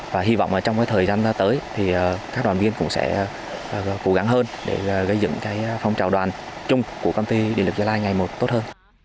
và hy vọng trong thời gian tới thì các đoàn viên cũng sẽ cố gắng hơn để gây dựng phong trào đoàn chung của công ty điện lực gia lai ngày một tốt hơn